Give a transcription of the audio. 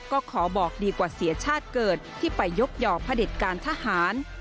ก็ขอบอกดีกว่าเสียชาติเกิดที่ไปยกหย่อพระเด็จการทหาร